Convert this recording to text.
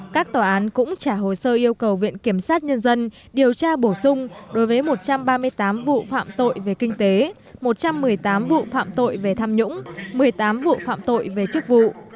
các tòa án cũng trả hồ sơ yêu cầu viện kiểm sát nhân dân điều tra bổ sung đối với một trăm ba mươi tám vụ phạm tội về kinh tế một trăm một mươi tám vụ phạm tội về tham nhũng một mươi tám vụ phạm tội về chức vụ